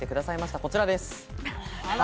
こちらです。